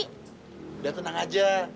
sudah tenang saja